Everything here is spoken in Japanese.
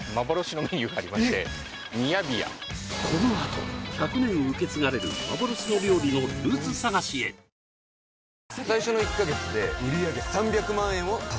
このあと１００年受け継がれる幻の料理のルーツ探しへ次週えっ？